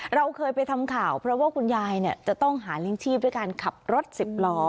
เราเคยไปทำข่าวเพราะว่าคุณยายจะต้องหาเลี้ยงชีพด้วยการขับรถสิบล้อ